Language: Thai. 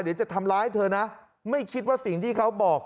เดี๋ยวจะทำร้ายเธอนะไม่คิดว่าสิ่งที่เขาบอก